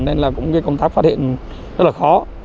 nên là cũng công tác phát hiện rất là khó